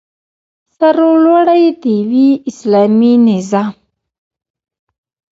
سرلوړی دې وي اسلامي نظام؟